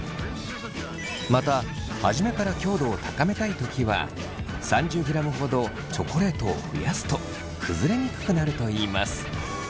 また初めから強度を高めたい時は３０ｇほどチョコレートを増やすと崩れにくくなるといいます。